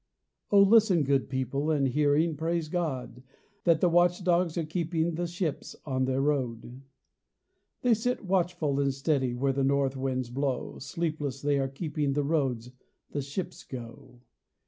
O listen, good people, And hearing, praise God, That the watch dogs are keeping The ships on their road ! They sit watchful and steady Where the North winds blow ; Sleepless they are keeping The roads the ships go.